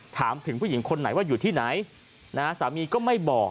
ถามถึงผู้หญิงคนไหนว่าอยู่ที่ไหนนะฮะสามีก็ไม่บอก